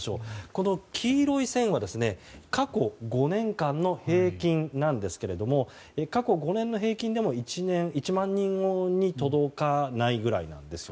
この黄色い線は過去５年間の平均なんですけれども過去５年の平均でも、１万人に届かないくらいなんです。